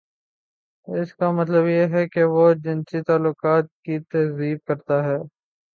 اس کا مطلب یہ ہے کہ وہ جنسی تعلقات کی تہذیب کرتا ہے۔